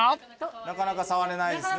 なかなか触れないですね。